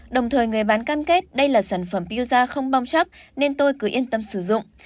đồng thời người bán cam kết đây là sản phẩm piuza không bong chóc nên tôi cứ yên tâm sử dụng